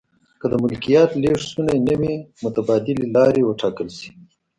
که د ملکیت لیږد شونی نه وي متبادلې لارې و ټاکل شي.